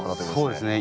そうですね。